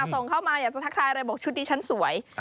ส่งเข้ามาอยากจะทักทายอะไรบอกชุดดิฉันสวย